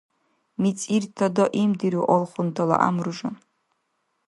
Мицӏирта даимдиру алхунтала гӏямру-жан